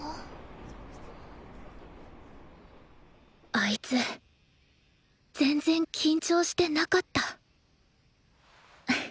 あいつ全然緊張してなかった